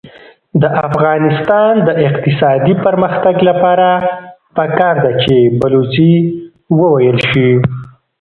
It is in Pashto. د افغانستان د اقتصادي پرمختګ لپاره پکار ده چې بلوڅي وویل شي.